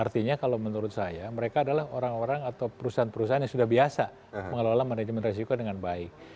artinya kalau menurut saya mereka adalah orang orang atau perusahaan perusahaan yang sudah biasa mengelola manajemen resiko dengan baik